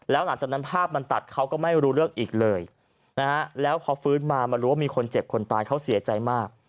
แล้วหลังจากนั้นภาพมันตัดเขาก็ไม่รู้เรื่องอีกเลยนะฮะแล้วพอฟื้นมามารู้ว่ามีคนเจ็บคนตายเขาเสียใจมาก